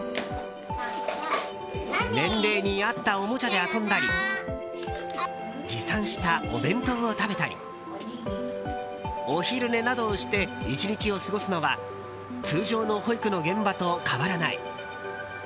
年齢に合ったおもちゃで遊んだり持参したお弁当を食べたりお昼寝などをして１日を過ごすのは通常の保育の現場と変わらない。